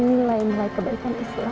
nilai nilai kebaikan islam